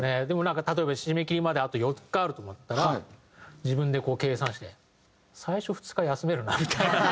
でもなんか例えば締め切りまであと４日あると思ったら自分で計算して最初２日休めるなみたいな。